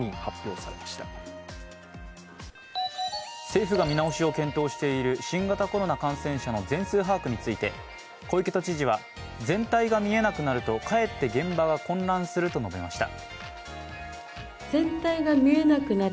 政府が見直しを検討している新型コロナ感染者の全数把握について小池都知事は、全体が見えなくなるとかえって現場が混乱すると述べました。